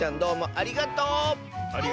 ありがとう！